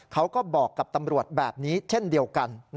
เขาก็บอกกับตำรวจแบบนี้เช่นเดียวกัน